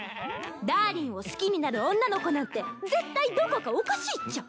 ダーリンを好きになる女の子なんて絶対どこかおかしいっちゃ。